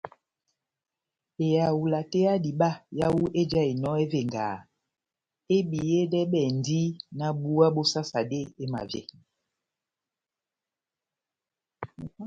Ehawula tɛ́h ya diba yawu ejahinɔ evengaha ebiyedɛbɛndi náh búwa bó sasade emavyɛ.